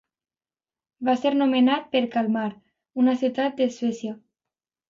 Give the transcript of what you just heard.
Va ser nomenat per Kalmar, una ciutat de Suècia.